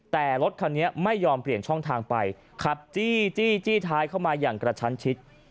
แต่รถคันนี้ไม่ยอมเปลี่ยนช่องทางไปขับจี้ท้ายเข้ามาอย่างกระชั้นชิด